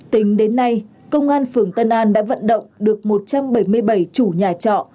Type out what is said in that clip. tính đến nay công an phường tân an đã vận động được một trăm bảy mươi bảy chủ nhà trọ